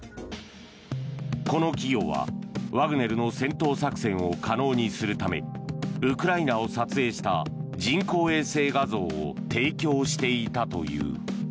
この企業は、ワグネルの戦闘作戦を可能にするためウクライナを撮影した人工衛星画像を提供していたという。